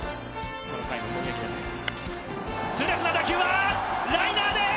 この回の攻撃です。